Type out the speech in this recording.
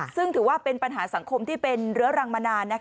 ซึ่งถือว่าเป็นปัญหาสังคมที่เป็นเรื้อรังมานาน